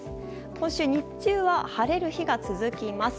今週、日中は晴れる日が続きます。